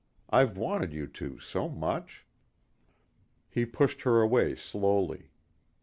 I've wanted you to so much." He pushed her away slowly.